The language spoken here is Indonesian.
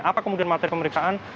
apa kemudian materi pemeriksaan